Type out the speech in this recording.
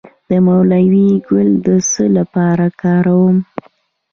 د مولی ګل د څه لپاره وکاروم؟